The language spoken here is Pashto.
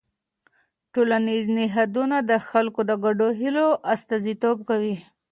ټولنیز نهادونه د خلکو د ګډو هيلو استازیتوب کوي.